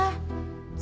maksud ibu titi apa